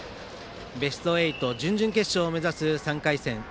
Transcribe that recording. ベスト８準々決勝を目指す３回戦。